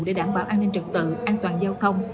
để đảm bảo an ninh trật tự an toàn giao thông